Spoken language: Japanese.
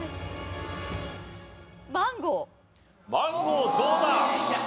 マンゴーどうだ？